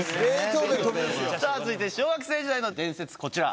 続いて小学生時代の伝説こちら。